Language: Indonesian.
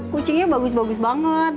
kucingnya bagus bagus banget